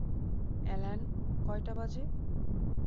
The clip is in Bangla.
অ্যালান কয়টা বাজে?